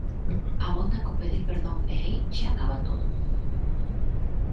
Abonda con pedir perdón e aí xa acaba todo?